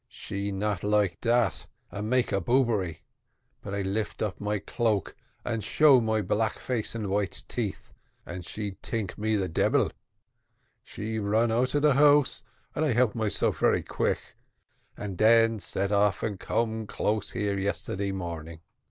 She not like dat and make a bobbery, but I lift up my cloak and show my black face and white teeth, and den she tink me de debil. She ran out of de house and I help myself very quick, and den set off and come close here yesterday morning.